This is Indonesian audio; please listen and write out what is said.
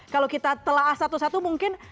kalau kita telah satu satu mungkin